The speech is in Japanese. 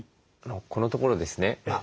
このところですね